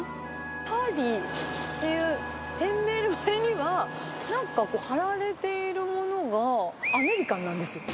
パリっていう店名のわりには、なんかこう、貼られているものが、アメリカンなんですよ。